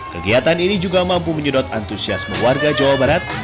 kegiatan ini juga mampu menyedot antusiasme warga jawa barat